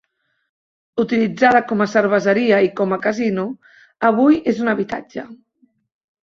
Utilitzada com a cerveseria i com a casino, avui és un habitatge.